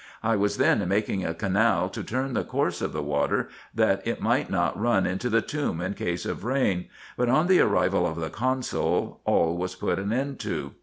I was then making a canal to turn the course of the water, that it might not run into the tomb in case of rain ; but, on the arrival of the consul, all was put an end to.